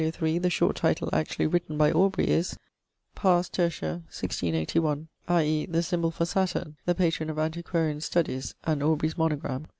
3, the short title actually written by Aubrey is: ʻ♄ Pars iiiᵗⁱᵃ 1681 ᴊᴬʼ i.e. the symbol for Saturn, the patron of antiquarian studies, and Aubrey's monogram.